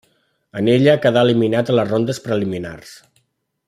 En ella quedà eliminat en les rondes preliminars.